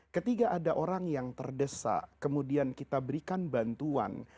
ketika ada orang yang terdesak kemudian kita berikan bantuan